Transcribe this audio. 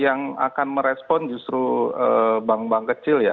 yang akan merespon justru bank bank kecil ya